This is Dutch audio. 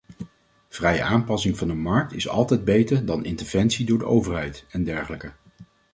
Vrije aanpassing van de markt is altijd beter dan interventie door de overheid, e.d.